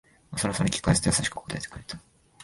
おそるおそる聞き返すと優しく答えてくれた